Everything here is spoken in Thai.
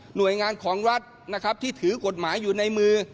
หน่วยงานของรัฐนะครับที่ถือกฎหมายอยู่ในมือ